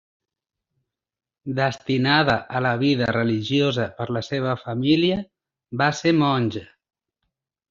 Destinada a la vida religiosa per la seva família, va ser monja.